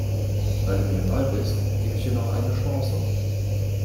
Weil du hier neu bist, gebe ich dir noch eine Chance.